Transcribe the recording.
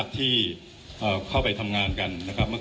คุณผู้ชมไปฟังผู้ว่ารัฐกาลจังหวัดเชียงรายแถลงตอนนี้ค่ะ